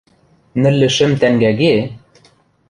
– Нӹллӹ шӹм тӓнгӓге?